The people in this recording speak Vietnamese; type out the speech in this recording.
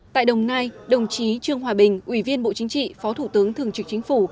tại đồng nai đồng chí trương hòa bình ủy viên bộ chính trị phó thủ tướng thường trực chính phủ